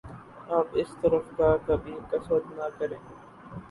آپ اس طرف کا کبھی قصد نہ کریں